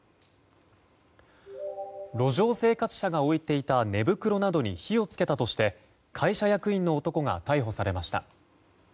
路上生活者が置いていた寝袋などに火を付けたとして会社役員の男が逮捕されました。